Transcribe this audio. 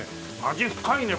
味深いね。